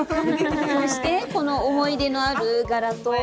そしてこの思い出のある柄と。